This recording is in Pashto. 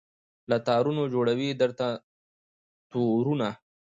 له تارونو جوړوي درته تورونه